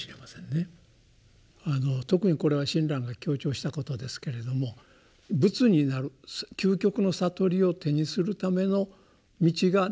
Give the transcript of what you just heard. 特にこれは親鸞が強調したことですけれども仏になる究極の悟りを手にするための道が「念仏」なんですね。